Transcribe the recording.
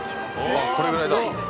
◆あ、これぐらいだ。